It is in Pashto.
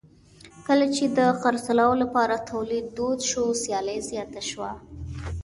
کله چې د خرڅلاو لپاره تولید دود شو سیالي زیاته شوه.